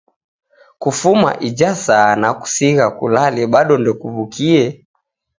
Kufuma ija saa nakusigha kulale bado ndekuwukie?